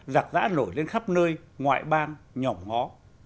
giặc giã nổi lên khắp nơi ngoại bang nhỏ ngó